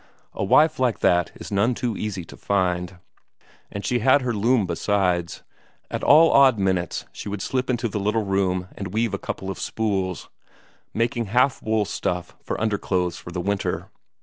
A wife like that is none so easy to find. And she had her loom besides; at all odd minutes she would slip into the little room and weave a couple of spools, making half wool stuff for underclothes for the winter.